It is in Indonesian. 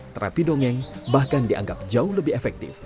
terati dongeng bahkan dianggap jauh lebih efektif